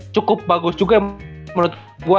cukup bagus juga menurut gue